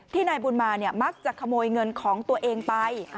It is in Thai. นายบุญมามักจะขโมยเงินของตัวเองไป